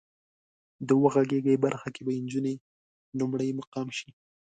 د وغږېږئ برخه کې به انجونې لومړی مقام شي.